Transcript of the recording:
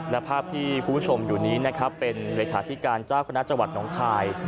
และภาพที่คุณผู้ชมอยู่นี้นะครับเป็นเลขาธิการเจ้าคณะจังหวัดน้องคาย